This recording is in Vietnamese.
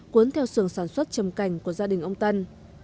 cuốn theo sường sản xuất chầm cảnh của gia đình ông tân